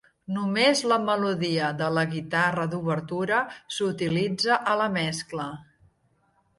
Només la melodia de la guitarra d'obertura s'utilitza a la mescla.